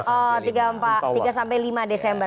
oh tiga sampai lima desember